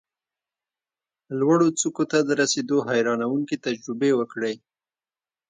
لوړو څوکو ته د رسېدو حیرانوونکې تجربې وکړې،